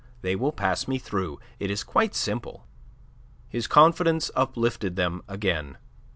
They will pass me through. It is quite simple." His confidence uplifted them again.